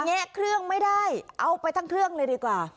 แงะเครื่องไม่ได้เอาไปทั้งเครื่องเลยดีกว่า